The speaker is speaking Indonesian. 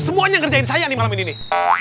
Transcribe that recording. semuanya ngerjain saya nih malam ini nih